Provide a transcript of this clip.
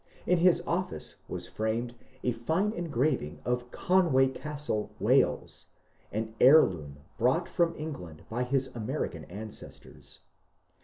In his office was framed a fine engraving of Conway Castle, Wales, an heirloom brought from England by his American ancestors.